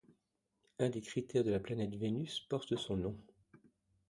Un des cratères sur la planète Vénus porte son nom.